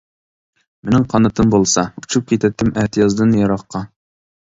مېنىڭ قانىتىم بولسا، ئۇچۇپ كېتەتتىم ئەتىيازدىن يىراققا.